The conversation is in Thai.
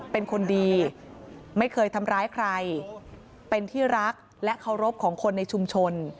เป็นคนดีไม่เคยทำร้ายใครเป็นที่รักและเคารพของคนในชุมชน